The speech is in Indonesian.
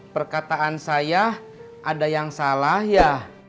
perkataan saya ada yang salah ya